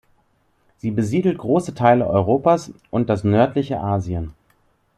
Sie besiedelt große Teile Europas und das nördliche Asien.